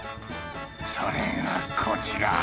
それがこちら。